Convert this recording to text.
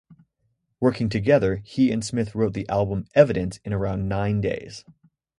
Working together, he and Smith wrote the album "Evidence" in around nine days.